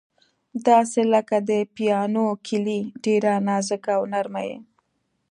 داسې لکه د پیانو کیلۍ، ډېره نازکه او نرمه یې.